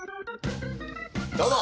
どうも。